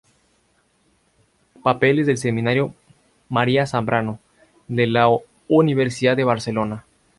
Papeles del Seminario María Zambrano" de la Universidad de Barcelona.